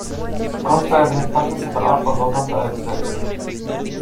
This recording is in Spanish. Consta de tres partes separadas por dos brazos estrechos.